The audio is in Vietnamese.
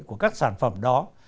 của các sản phẩm đó